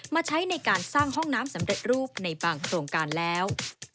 มาใช้ในการสร้างห้องน้ำสำเร็จรูปในบางโครงการแล้ว